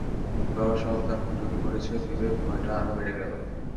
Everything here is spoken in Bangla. বাবার স্বভাব তার মধ্যে ঢুকে পড়েছে ভেবে ভয়টা আরও বেড়ে গেল।